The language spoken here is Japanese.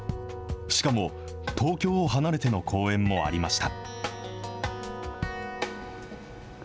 しかも、東京を離れての公演もありました。